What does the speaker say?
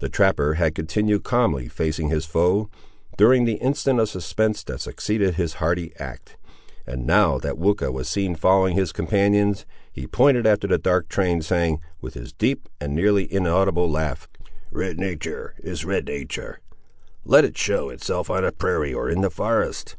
The trapper had continued calmly facing his foe, during the instant of suspense that succeeded his hardy act; and now that Weucha was seen following his companions, he pointed after the dark train, saying, with his deep and nearly inaudible laugh— "Red natur' is red natur', let it show itself on a prairie, or in a forest!